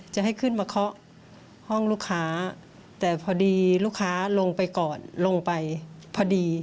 จะให้ขึ้นมาเคาะห้องลูกค้าแต่พอดีลูกค้าลงไปก่อนลงไปพอดี